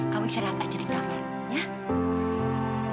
kamu isi rata jadi kamar ya